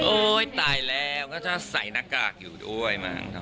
โอ้ยตายแล้วก็จะใส่หน้ากากอยู่ด้วย